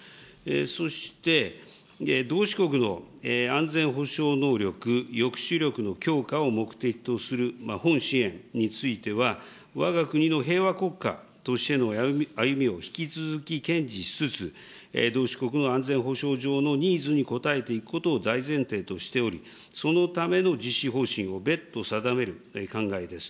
そして、同志国の安全保障能力、抑止力の強化を目的とする本支援については、わが国の平和国家としての歩みを引き続き堅持しつつ、同志国の安全保障上のニーズに応えていくことを大前提としており、そのための実施方針を別途定める考えです。